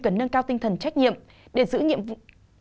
cần nâng cao tinh thần trách nhiệm để giữ nhiệm vụ